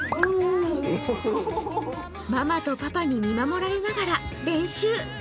ママとパパに見守られながら練習。